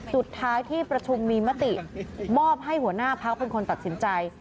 สุดท้ายที่ประชุมมีมติมอบให้หัวหน้าพักเป็นคนตัดสินใจ